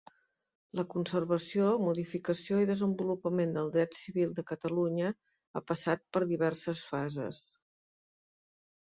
La conservació, modificació i desenvolupament del dret civil de Catalunya ha passat, per diverses fases.